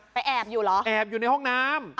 แอบอยู่เหรอแอบอยู่ในห้องน้ำ